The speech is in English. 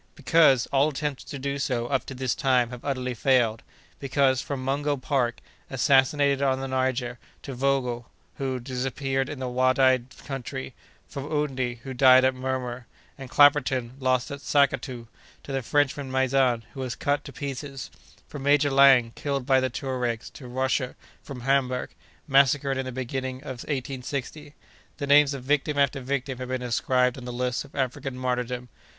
"Because, all attempts to do so, up to this time, have utterly failed. Because, from Mungo Park, assassinated on the Niger, to Vogel, who disappeared in the Wadai country; from Oudney, who died at Murmur, and Clapperton, lost at Sackatou, to the Frenchman Maizan, who was cut to pieces; from Major Laing, killed by the Touaregs, to Roscher, from Hamburg, massacred in the beginning of 1860, the names of victim after victim have been inscribed on the lists of African martyrdom!